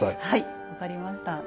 はい分かりました。